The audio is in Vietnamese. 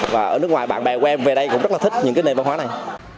và ở nước ngoài bạn bè của em về đây cũng rất là thích những cái nền văn hóa này